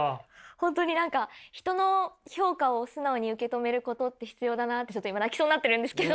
本当に何か人の評価を素直に受け止めることって必要だなってちょっと今泣きそうになっているんですけど。